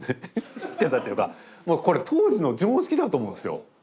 知ってたというかこれ当時の常識だと思うんですよ。